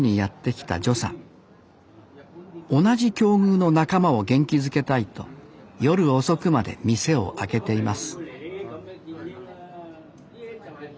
同じ境遇の仲間を元気づけたいと夜遅くまで店を開けています